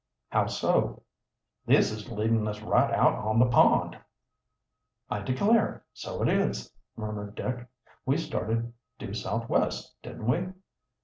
"How so?" "This is leadin' us right out on the pond." "I declare, so it is!" murmured Dick. "We started due southwest, didn't we?"